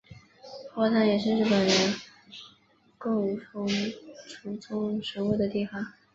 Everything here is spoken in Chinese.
佛坛也是日本人供奉祖宗神位的地方。